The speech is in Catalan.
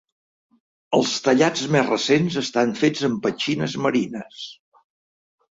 Els tallats més recents estan fets en petxines marines.